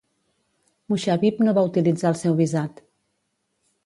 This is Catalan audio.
Mushabib no va utilitzar el seu visat.